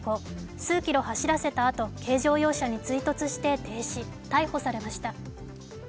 数キロ走らせた後軽乗用車に追跡され停止、逮捕されました。